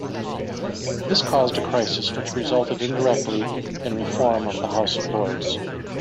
This caused a crisis which resulted indirectly in reform of the House of Lords.